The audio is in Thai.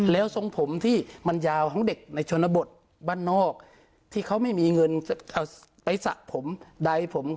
แล้วทรงผมที่มันยาวของเด็กในชนบทบ้านนอกที่เขาไม่มีเงินเอาไปสระผมใดผม